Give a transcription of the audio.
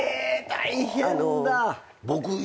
大変だ。